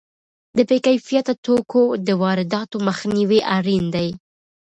د بې کیفیته توکو د وارداتو مخنیوی اړین دی.